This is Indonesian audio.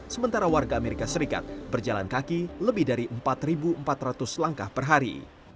sementara warga amerika serikat berjalan kaki lebih dari empat empat ratus langkah per hari